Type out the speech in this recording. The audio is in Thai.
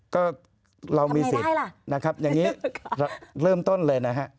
ก็เรามีสิทธิ์นะครับอย่างนี้เริ่มต้นเลยนะฮะ